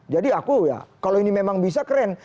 jadi aku ya kalau ini memang bisa keren